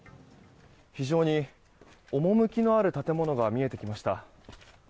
非常に趣のある建物が見えてきました。